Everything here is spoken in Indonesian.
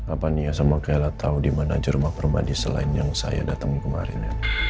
apa nia sama kayla tau dimana jermak permadi selain yang saya datang kemarin